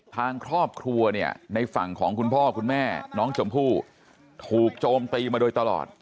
ทางครอบครัวเนี่ยในฝั่งของคุณพ่อคุณแม่น้องชมพู่ถูกโจมตีมาโดยตลอด